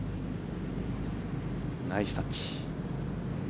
ナイスタッチ。